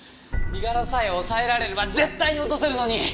身柄さえ押さえられれば絶対に落とせるのに。